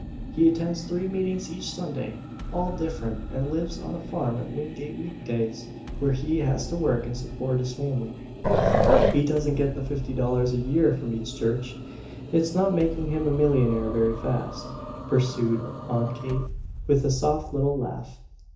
He attends three meetings each Sunday, all different, and lives on a farm at Wingate weekdays where he has to work and support his family. "He doesn't get but fifty dollars a year from each church, it's not making him a millionaire very fast," pursued Aunt Kate, with a soft little laugh.